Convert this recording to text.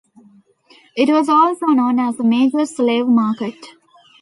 It was also known as a major slave market.